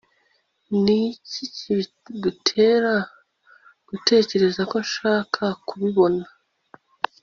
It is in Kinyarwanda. niki kigutera gutekereza ko nshaka kubibona